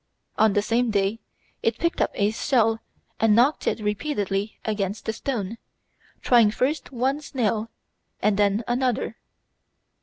On the same day it picked up a shell and knocked it repeatedly against a stone, trying first one snail and then another.